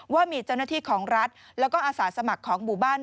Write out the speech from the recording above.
ว่ามีเจ้าหน้าที่ของรัฐแล้วก็อาสาสมัครของหมู่บ้าน